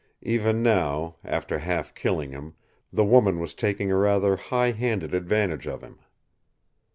Even now, after half killing him, the woman was taking a rather high handed advantage of him.